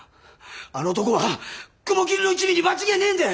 あの男は雲霧の一味に間違えねえんで！